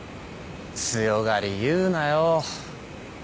強がり言うなよ。